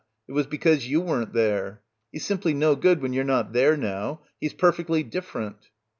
It was because you weren't there. He's simply no good when you're not there, now. He's perfectly different."